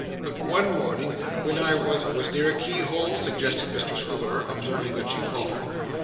But one morning, when I was ' 'Was near a keyhole?' suggested Mr Swiveller, observing that she faltered.